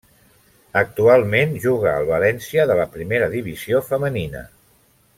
Actualment juga al València de la Primera divisió Femenina.